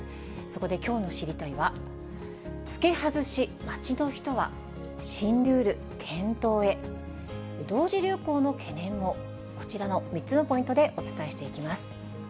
そこできょうの知りたいッ！は着け外し、街の人は、新ルール、検討へ、同時流行の懸念も、こちらの３つのポイントでお伝えしていきます。